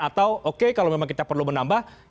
atau oke kalau memang kita perlu menambah